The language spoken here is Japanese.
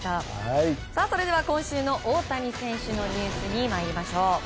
それでは、今週の大谷選手のニュースに参りましょう。